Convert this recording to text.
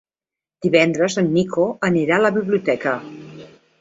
Divendres en Nico anirà a la biblioteca.